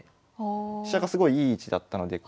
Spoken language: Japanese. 飛車がすごいいい位置だったので。